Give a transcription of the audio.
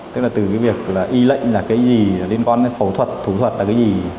tức là từ cái việc là y lệnh là cái gì liên quan đến phẫu thuật thủ thuật là cái gì